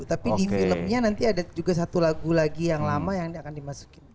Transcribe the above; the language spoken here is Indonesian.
tapi di filmnya nanti ada juga satu lagu lagi yang lama yang akan dimasukin